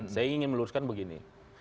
saya ingin meluruskan begini